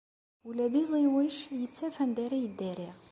Ula d iẓiwec ittaf anda ara yeddari.